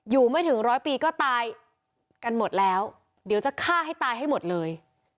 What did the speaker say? ไม่ถึงร้อยปีก็ตายกันหมดแล้วเดี๋ยวจะฆ่าให้ตายให้หมดเลย